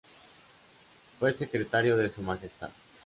Fue Secretario de su Majestad.